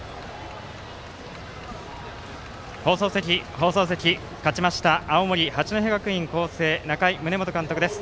放送席、勝ちました青森・八戸学院光星の仲井宗基監督です。